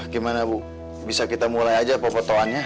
gimana bu bisa kita mulai aja pepotoannya